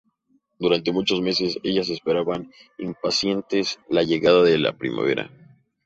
Durante muchos meses ellas esperan impacientes la llegada de la primavera.